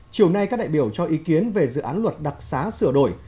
chiều nay các đại biểu cho ý kiến về dự án luật đặc xá sửa đổi